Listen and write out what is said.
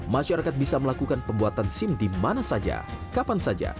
masyarakat bisa melakukan pembuatan sim di mana saja